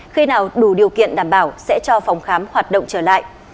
khi nào đủ điều kiện đảm bảo sẽ cho phòng khám hoạt động trở lại